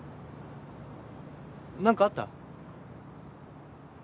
何かあった？